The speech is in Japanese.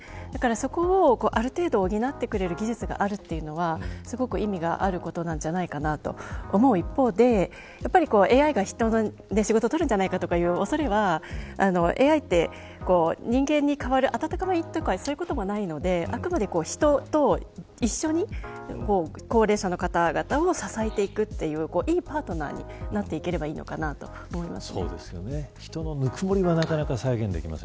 そこはある程度補ってくれる技術があるというのはすごく意味があることなんじゃないかと思う一方でＡＩが人の仕事を取るんじゃないかという恐れはＡＩで人間に替わる温かみとかそういうものはないのであくまで人と一緒に高齢者の方々を支えていくといういいパートナーになっていければいいのかなと思います。